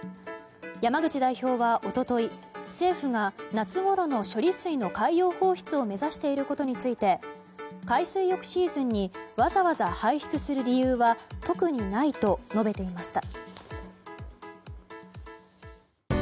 山口代表は一昨日、政府が夏ごろの処理水の海洋放出を目指していることについて海水浴シーズンにわざわざ排出する理由は特にないと述べていました。